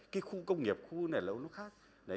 cái khu công nghiệp khu này